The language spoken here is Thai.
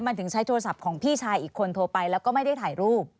มันถึงใช้โทรศัพท์ของพี่ชายอีกคนโทรไปแล้วก็ไม่ได้ถ่ายรูป